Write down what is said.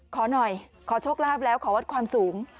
ขอหน่อยขอโชคลาภแล้วขอวัดความสูง